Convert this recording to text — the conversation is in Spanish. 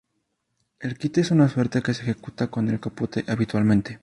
El quite es una suerte que se ejecuta con el capote habitualmente.